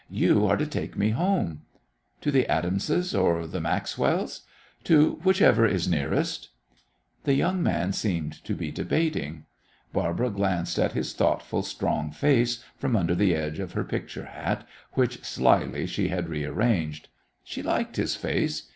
You are to take me home." "To the Adamses or the Maxwells?" "To whichever is nearest." The young man seemed to be debating. Barbara glanced at his thoughtful, strong face from under the edge of her picture hat, which slyly she had rearranged. She liked his face.